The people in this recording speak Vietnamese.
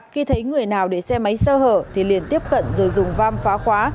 khi thấy người nào để xe máy sơ hở thì liền tiếp cận rồi dùng vam phá khóa